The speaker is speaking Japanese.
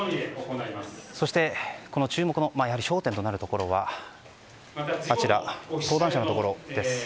そして、この注目の焦点となるところは登壇者のところです。